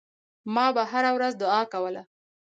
ما به هره ورځ دعا کوله.